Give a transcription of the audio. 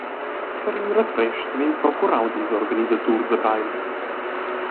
Per in refrestg vegn procurau dils organisaturs a Breil.